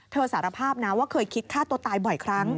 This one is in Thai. สารภาพนะว่าเคยคิดฆ่าตัวตายบ่อยครั้ง